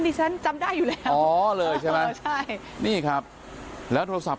ดิฉันจำได้อยู่แล้วอ๋อเลยใช่ไหมอ๋อใช่นี่ครับแล้วโทรศัพท์